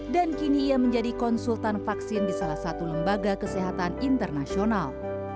dan kini ia menjadi konsultan vaksin di salah satu lembaga kesehatan internasional